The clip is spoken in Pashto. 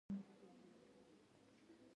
چې اول حق ستا د ګوډو ماتو شي.